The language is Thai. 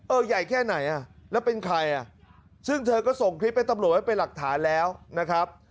ใหญ่แค่ไหนอ่ะแล้วเป็นใครอ่ะซึ่งเธอก็ส่งคลิปให้ตำรวจไว้เป็นหลักฐานแล้วนะครับ